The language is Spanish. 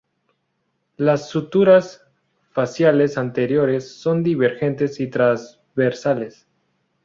Las suturas faciales anteriores son divergentes y transversales.